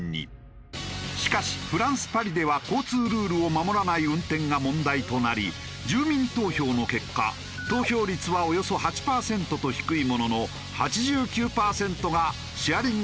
しかしフランス・パリでは交通ルールを守らない運転が問題となり住民投票の結果投票率はおよそ８パーセントと低いものの８９パーセントがシェアリングサービスに反対。